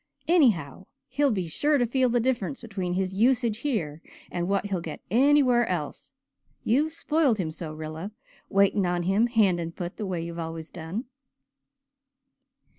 Anyhow, he'll be sure to feel the difference between his usage here and what he'll get anywhere else. You've spoiled him so, Rilla, waiting on him hand and foot the way you've always done."